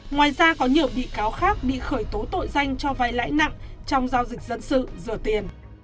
ngoài ra có nhiều bị cáo khác bị khởi tố tội danh cho vai lãi nặng trong giao dịch dân sự rửa tiền